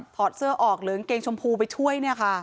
อดเสื้อออกเหลืองเกงชมพูไปช่วย